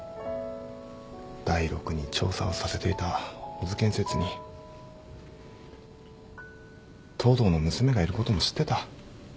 ダイロクに調査をさせていた小津建設に藤堂の娘がいることも知ってた。